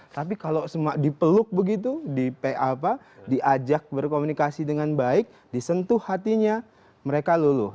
tapi kalau dipeluk begitu diajak berkomunikasi dengan baik disentuh hatinya mereka luluh